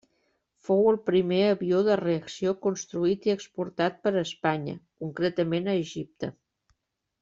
Fou el primer avió de reacció construït i exportat per Espanya, concretament a Egipte.